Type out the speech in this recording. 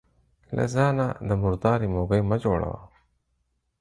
له ځانه د مرداري موږى مه جوړوه.